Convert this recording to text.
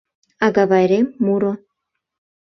АГАВАЙРЕМ МУРО.